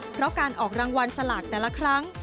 เพราะการออกรางวัลสลากแต่ละครั้ง